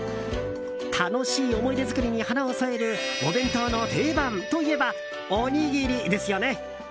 楽しい思い出作りに華を添えるお弁当の定番といえばおにぎりですよね！